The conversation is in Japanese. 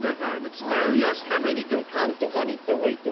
疲れを癒やすために旅館とかに行った方がいいと思います。